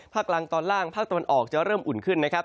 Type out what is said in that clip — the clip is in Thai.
กลางตอนล่างภาคตะวันออกจะเริ่มอุ่นขึ้นนะครับ